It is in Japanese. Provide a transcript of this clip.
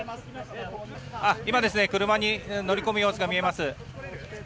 今、車に乗り込む様子が見えます。